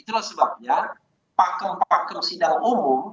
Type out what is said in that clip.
itulah sebabnya pakem pakem sidang umum